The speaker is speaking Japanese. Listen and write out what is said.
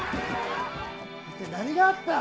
一体何があった？